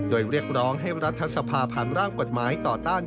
โดยเรียกร้องให้รัฐสภาผ่านร่างกฎหมายต่อต้าน